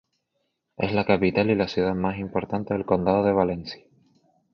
Es la capital y la ciudad más importante del condado de Valencia.